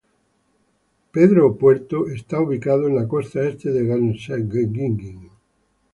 Peter Port está ubicada en la costa Este de Guernsey.